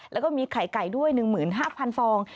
แล้วก็มีไข่ไก่ด้วย๑๕๐๐ฟอง